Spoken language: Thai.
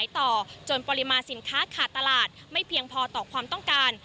ต่อจนปริมาณสินค้าขาดตลาดไม่เพียงพอต่อความต้องการ